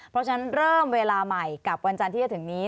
เพราะฉะนั้นเริ่มเวลาใหม่กับวันจันทร์ที่จะถึงนี้